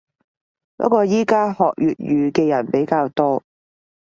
不過依家學粵語嘅人比較多